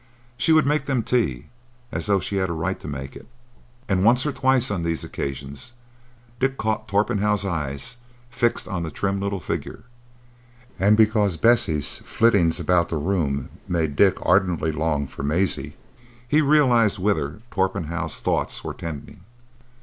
She would make them tea as though she had a right to make it; and once or twice on these occasions Dick caught Torpenhow's eyes fixed on the trim little figure, and because Bessie's flittings about the room made Dick ardently long for Maisie, he realised whither Torpenhow's thoughts were tending.